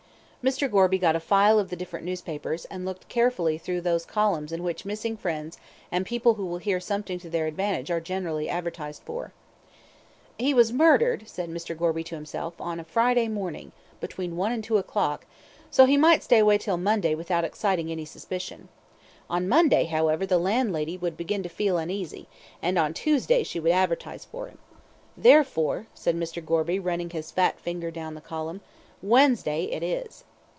Mr. Gorby got a file of the different newspapers, and looked carefully through those columns in which missing friends and people who will hear "something to their advantage" are generally advertised for. "He was murdered," said Mr. Gorby to himself, "on a Friday morning, between one and two o'clock, so he might stay away till Monday without exciting any suspicion. On Monday, however, the landlady would begin to feel uneasy, and on Tuesday she would advertise for him. Therefore," said Mr. Gorby, running his fat finger down the column, "Wednesday it is."